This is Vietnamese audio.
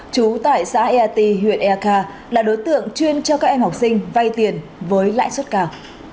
chú tại xã eaty huyện eka là đối tượng chuyên cho các em học sinh vay tiền với lãi suất cao